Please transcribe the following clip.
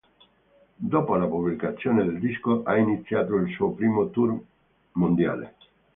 Dopo la pubblicazione del disco, ha iniziato il suo primo tour mondiale.